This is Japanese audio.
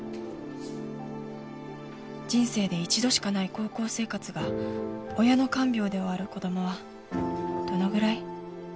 ［人生で一度しかない高校生活が親の看病で終わる子供はどのぐらい？］